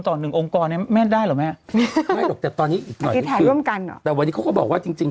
ตอบ๑องค์กรนี้ไม่ได้หรือแหมแต่ตอนนี้ไม่ได้ร่วมกันหรอผมเขาก็บอกว่าจริงจริง